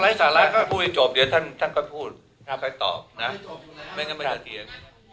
ให้ท่านพูดให้จบเดี๋ยวท่านก็พูดค่อยตอบไม่งั้นไม่ได้เถียง